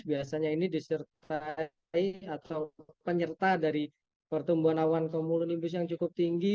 biasanya ini disertai atau penyerta dari pertumbuhan awan komulonimbus yang cukup tinggi